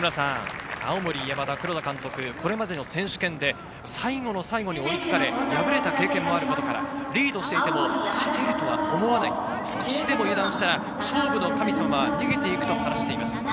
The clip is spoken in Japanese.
青森山田・黒田監督、これまでの選手権で最後の最後に追いつかれ、敗れた経験もあることから、リードしていても勝てるとは思わない、少しでも油断したら勝負の神様は逃げて行くと話しています。